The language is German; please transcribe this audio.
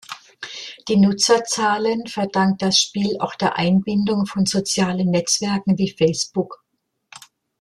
Die Nutzerzahlen verdankt das Spiel auch der Einbindung von sozialen Netzwerken wie Facebook.